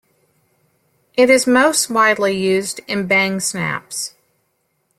It is most widely used in bang snaps.